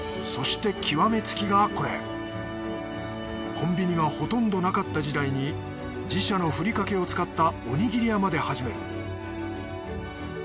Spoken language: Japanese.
コンビニがほとんどなかった時代に自社のふりかけを使ったおにぎり屋まで始める。